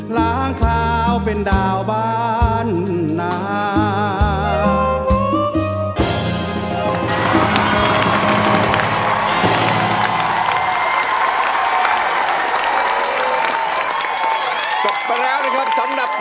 ล้างคาวเป็นดาวบ้านนา